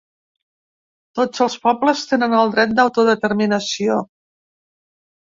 Tots els pobles tenen el dret d’autodeterminació.